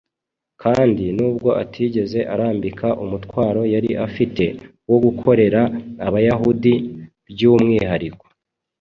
kandi nubwo atigeze arambika umutwaro yari afite wo gukorera abayahudi by’umwihariko,